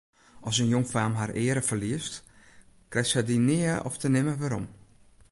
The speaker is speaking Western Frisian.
As in jongfaam har eare ferliest, krijt se dy nea ofte nimmer werom.